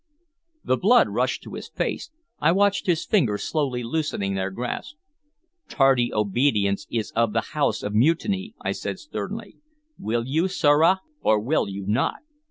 The blood rushed to his face. I watched his fingers slowly loosening their grasp. "Tardy obedience is of the house of mutiny," I said sternly. "Will you, sirrah, or will you not?"